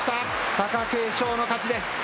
貴景勝の勝ちです。